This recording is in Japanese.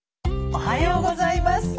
おはようございます。